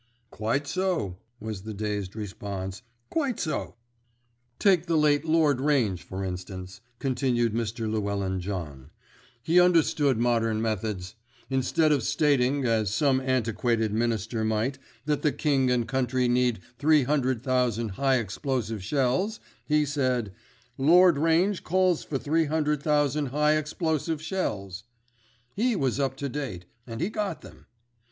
"Quite so," was the dazed response, "quite so." "Take the late Lord Range, for instance," continued Mr. Llewellyn John. "He understood modern methods. Instead of stating, as some antiquated Minister might, that the King and country needed 300,000 high explosive shells, he said: 'Lord Range calls for 300,000 high explosive shells.' He was up to date, and he got them.